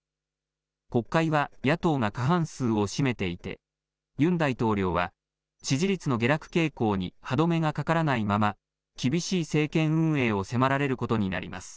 国会は野党が過半数を占めていて、ユン大統領は支持率の下落傾向に歯止めがかからないまま、厳しい政権運営を迫られることになります。